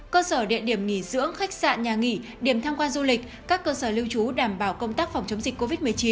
cơ sở địa điểm nghỉ dưỡng khách sạn nhà nghỉ điểm tham quan du lịch các cơ sở lưu trú đảm bảo công tác phòng chống dịch covid một mươi chín